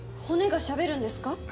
骨がしゃべるんですか？